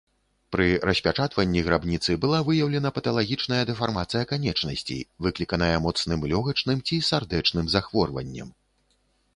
Пры распячатванні грабніцы была выяўлена паталагічная дэфармацыя канечнасцей, выкліканая моцным лёгачным ці сардэчным захворваннем.